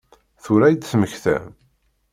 Tura i d-temmektam?